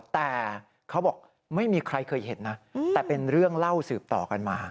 แต่เขาบอกไม่มีใครเคยเห็นนะแต่เป็นเรื่องเล่าสืบต่อกันมา